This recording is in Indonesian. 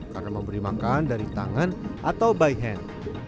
karena memberi makan dari tangan atau by hand